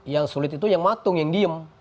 yang sulit itu yang matung yang diem